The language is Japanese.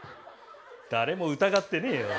誰も疑ってねえよ！